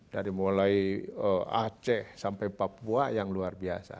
dari mulai aceh sampai papua yang luar biasa